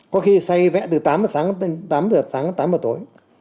có khi xây vẽ từ tám h sáng đến tám h sáng đến tám h tối